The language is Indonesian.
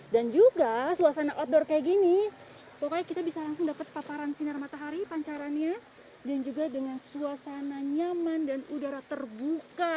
dan juga suasana outdoor kayak gini pokoknya kita bisa langsung dapet paparan sinar matahari pancarannya dan juga dengan suasana nyaman dan udara terbuka